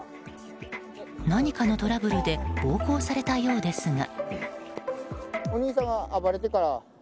何かのトラブルで暴行されたようですが。